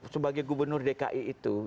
sebagai gubernur dki itu